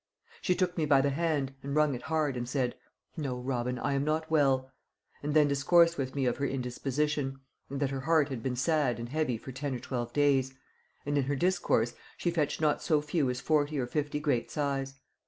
She took me by the hand, and wrung it hard, and said, 'No, Robin, I am not well;' and then discoursed with me of her indisposition, and that her heart had been sad and heavy for ten or twelve days, and in her discourse she fetched not so few as forty or fifty great sighs.